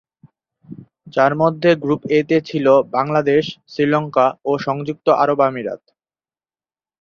যার মধ্যে group A তে ছিলো বাংলাদেশ, শ্রীলঙ্কা ও সংযুক্ত আরব আমিরাত।